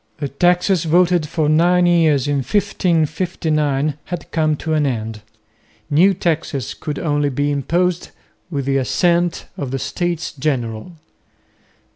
The taxes voted for nine years in 1559 had come to an end. New taxes could only be imposed with the assent of the States General.